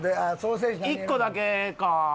１個だけか。